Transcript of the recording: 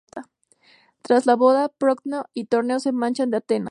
Tras la boda, Procne y Tereo se marchan de Atenas.